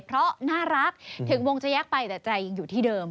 เพราะน่ารักถึงวงจะแยกไปแต่ใจยังอยู่ที่เดิม